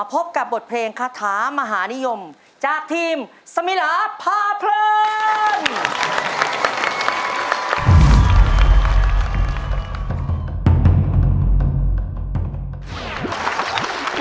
พบกับบทเพลงคาถามหานิยมจากทีมสมิลาพาเพลิน